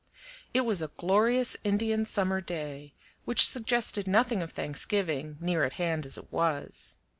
It was a glorious Indian summer day, which suggested nothing of Thanksgiving, near at hand as it was.